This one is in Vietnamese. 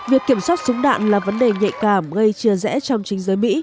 việc kiểm soát súng đạn là vấn đề nhạy cảm gây chia rẽ trong chính giới mỹ